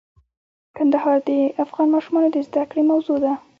کندهار د افغان ماشومانو د زده کړې موضوع ده.